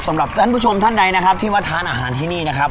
สำหรับท่านผู้ชมท่านใดนะครับที่มาทานอาหารที่นี่นะครับ